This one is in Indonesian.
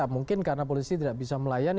mungkin karena polisi tidak bisa melayani